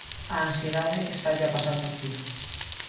A ansiedade estalle a pasar factura.